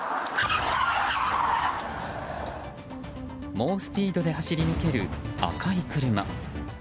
猛スピードで走り抜ける赤い車。